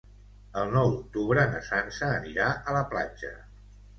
El nou d'octubre na Sança anirà a la platja.